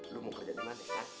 lo mau kerja di mana ya